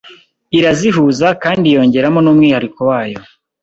irazihuza kandi yongeramo n’umwihariko wayo,